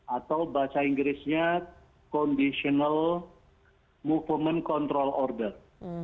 atau bahasa inggrisnya conditional movement control order